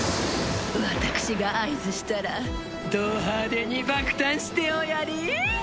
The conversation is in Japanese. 私が合図したらド派手に爆誕しておやり！